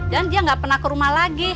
dan dia enggak pernah ke rumah lagi